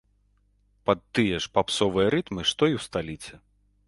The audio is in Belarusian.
Пад тыя ж папсовыя рытмы, што і ў сталіцы.